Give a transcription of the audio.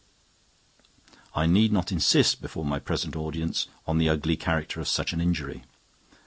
I need not insist before my present audience on the ugly character of such an injury.